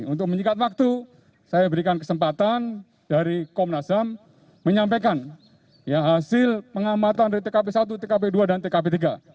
untuk menyingkat waktu saya berikan kesempatan dari komnas ham menyampaikan hasil pengamatan dari tkp satu tkp dua dan tkp tiga